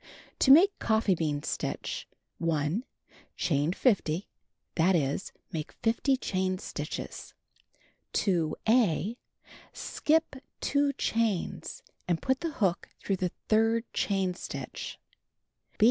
To Make Coffee Bean Stitch 1. Chain 50; that is, make 50 chain stitches. 2. (a) Skip 2 chains, and put the hook through the third chain stitch.